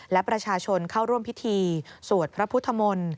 และประชาชนเข้าร่วมพิธีสวดพระพุทธมนตร์